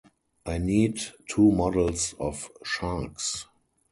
I need two models of sharks.